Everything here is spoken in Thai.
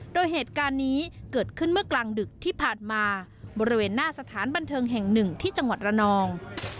โดยเหตุการณ์นี้เกิดขึ้นเมื่อกลางดึกที่ผ่านมาบริเวณหน้าสถานบันเทิงแห่งหนึ่งที่จังหวัดระนอง